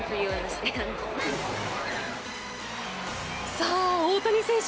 さあ、大谷選手